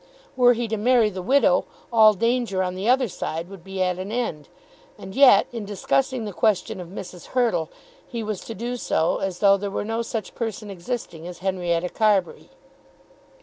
Were he to marry the widow, all danger on the other side would be at an end. And yet, in discussing the question of Mrs. Hurtle, he was to do so as though there were no such person existing as Henrietta Carbury.